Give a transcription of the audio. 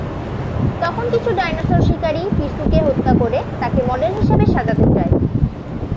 তখন কিছু ডাইনোসর শিকারী পিসুকে-কে হত্যা করে তাকে মডেল হিসেবে সাজাতে চায়।